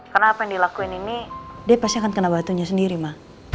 karena apa yang dilakuin ini dia pasti akan kena batunya sendiri ma